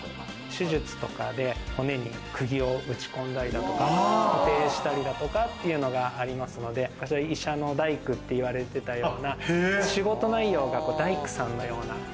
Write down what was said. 手術とかで骨に釘を打ち込んだりとか固定したりだとかっていうのがありますので、医者の大工って言われてたような仕事内容が大工さんのような。